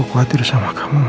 kondisinya gimana sekarang